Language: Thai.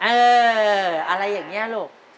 เอออะไรอย่างนี้ลูก